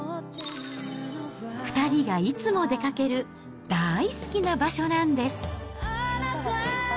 ２人がいつも出かける大好きな場所なんです。